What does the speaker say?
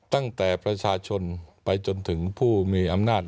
ตั้งแต่ประชาชนไปจนถึงผู้มีอำนาจ